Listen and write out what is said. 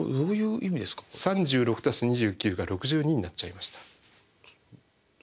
３６＋２９が６２になっちゃいました。